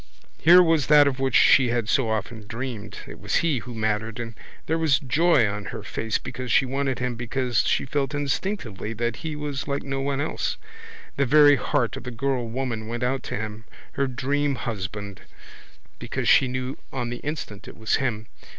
Here was that of which she had so often dreamed. It was he who mattered and there was joy on her face because she wanted him because she felt instinctively that he was like no one else. The very heart of the girlwoman went out to him, her dreamhusband, because she knew on the instant it was him.